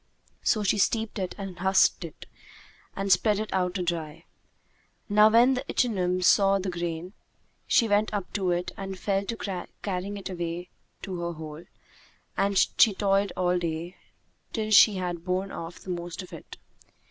So she steeped it and husked it and spread it out to dry. Now when the ichneumon saw the grain, she went up to it and fell to carrying it away to her hole, and she toiled all day, till she had borne off the most of it.